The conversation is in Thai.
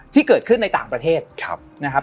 ที่เกิดขึ้นในต่างประเทศนะครับ